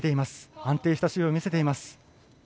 安定した守備を見せています。